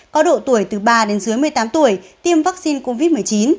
có độ tuổi từ ba đến dưới một mươi tám tuổi tiêm vaccine covid một mươi chín